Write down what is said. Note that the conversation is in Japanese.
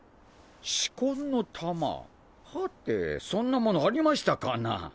四魂の玉？はてぇそんなものありましたかな？